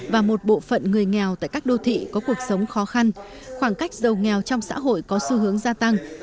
và một bộ phận người nghèo tại các đô thị có cuộc sống khó khăn khoảng cách giàu nghèo trong xã hội có xu hướng gia tăng